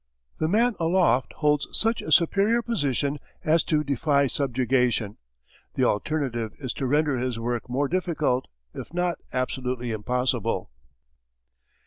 The man aloft holds such a superior position as to defy subjugation; the alternative is to render his work more difficult, if not absolutely impossible.